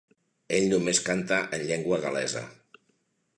Ell només canta en llengua gal·lesa.